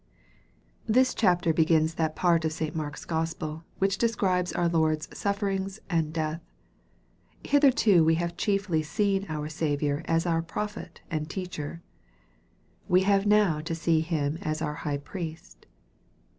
THIS chapter begins that part of St. Mark's Gospel, which describes our Lord's sufferings and death. Hither to we have chiefly seen our Saviour as our prophet and teacher. We have now to see Him as our High Priest.